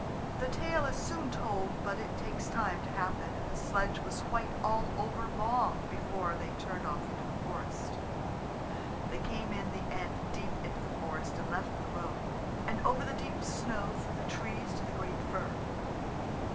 The tale is soon told, but it takes time to happen, and the sledge was white all over long before they turned off into the forest. They came in the end deep into the forest, and left the road, and over the deep snow through the trees to the great fir.